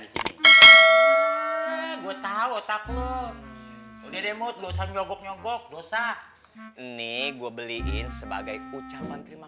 di sini gue tahu taklu udah demut dosa nyogok nyogok dosa ini gue beliin sebagai ucapan terima